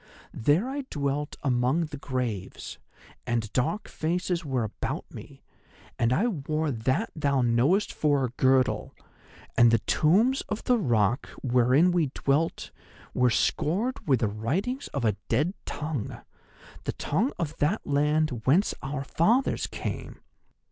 There I dwelt among the graves, and dark faces were about me, and I wore That thou knowest for a girdle. And the tombs of the rock wherein we dwelt were scored with the writings of a dead tongue—the tongue of that land whence our fathers came.